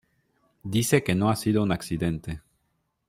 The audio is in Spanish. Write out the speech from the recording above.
Dice que no ha sido un accidente.